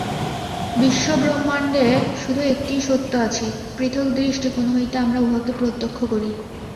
বিশ্বব্রহ্মাণ্ডে শুধু একটিই সত্য আছে, পৃথক দৃষ্টিকোণ হইতে আমরা উহাকে প্রত্যক্ষ করি।